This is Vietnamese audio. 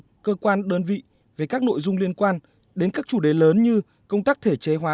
các cơ quan đơn vị về các nội dung liên quan đến các chủ đề lớn như công tác thể chế hóa